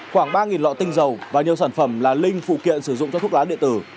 khoảng ba lọ tinh dầu và nhiều sản phẩm là linh phụ kiện sử dụng cho thuốc lá điện tử